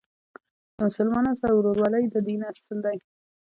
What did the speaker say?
د مسلمانانو سره ورورولۍ د دین اصل دی.